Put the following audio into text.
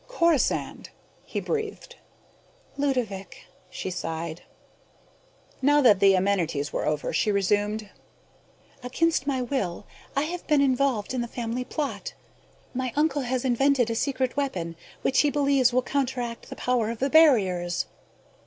"Corisande...." he breathed. "Ludovick...." she sighed. Now that the amenities were over, she resumed, "Against my will, I have been involved in the family plot. My uncle has invented a secret weapon which he believes will counteract the power of the barriers."